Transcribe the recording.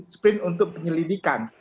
sprint untuk penyelidikan